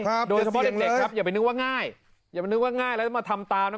ครับโดยเฉพาะเด็กครับอย่าไปนึกว่าง่ายอย่าไปนึกว่าง่ายแล้วมาทำตามนั้น